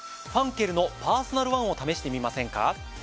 ファンケルのパーソナルワンを試してみませんか？